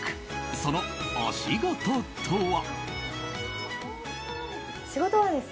そのお仕事とは。